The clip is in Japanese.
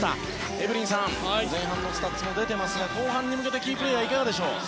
エブリンさん、前半のスタッツも出ていますが後半に向けてキープレーヤーいかがでしょう。